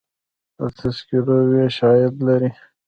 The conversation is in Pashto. د تذکرو ویش عاید لري